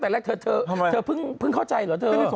เธอเพิ่งเข้าใจหรอเธอ